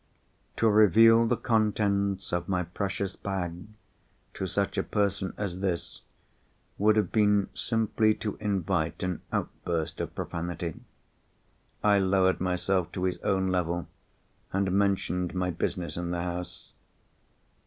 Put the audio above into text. To reveal the contents of my precious bag to such a person as this would have been simply to invite an outburst of profanity. I lowered myself to his own level, and mentioned my business in the house.